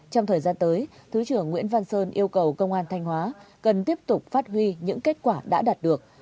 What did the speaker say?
trong thời gian tới thứ trưởng nguyễn văn sơn yêu cầu công an thanh hóa cần tiếp tục phát huy những kết quả đã đạt được